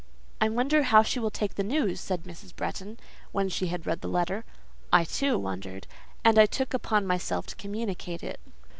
"I wonder how she will take this news?" said Mrs. Bretton, when she had read the letter. I wondered, too, and I took upon myself to communicate it.